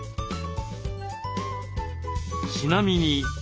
ちなみに。